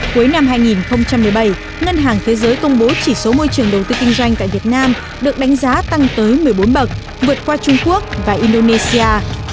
cuối năm hai nghìn một mươi bảy ngân hàng thế giới công bố chỉ số môi trường đầu tư kinh doanh tại việt nam được đánh giá tăng tới một mươi bốn bậc vượt qua trung quốc và indonesia